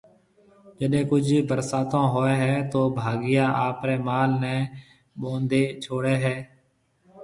جڏَي ڪجھ ڀرساتون ھوئيَ ھيََََ تو ڀاگيا آپرَي مال نيَ ٻونڌَي ڇوڙھيََََ ھيََََ